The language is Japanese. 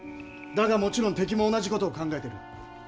だがもちろん敵も同じ事を考えてる。